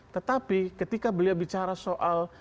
tetapi ketika beliau bicara soal